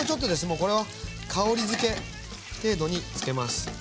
もうこれは香り付け程度に付けます。